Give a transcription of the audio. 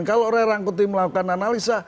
kalau orang orang yang melakukan analisa